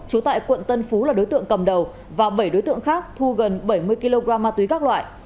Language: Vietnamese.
trú tại quận tân phú là đối tượng cầm đầu và bảy đối tượng khác thu gần bảy mươi kg ma túy các loại